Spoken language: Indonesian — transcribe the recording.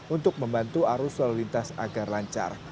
untuk membantu arus lalu lintas agar lancar